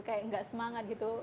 kayak gak semangat gitu